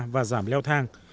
và giảm leo thang